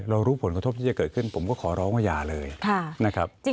รู้ผลกระทบที่จะเกิดขึ้นผมก็ขอร้องว่าอย่าเลยนะครับ